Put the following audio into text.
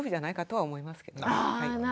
はい。